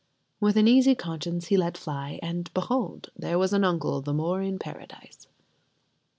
With an easy conscience he let fly, and behold! there was an uncle the more in Paradise.